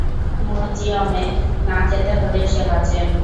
ম্যুজিয়মে না যেতে হলেই সে বাঁচে।